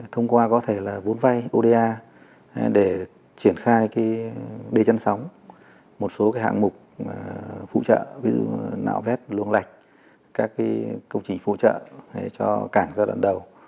thông qua có thể là vốn vay oda để triển khai đê chắn sóng một số hạng mục phụ trợ ví dụ như là nạo vét lường lạch các công trình phụ trợ cho cảng giai đoạn đầu